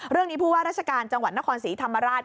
เรื่องนี้พูดว่าราชการจังหวัดนครศรีธรรมราช